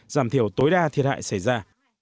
giảm thiểu tối đa thiệt hại xảy ra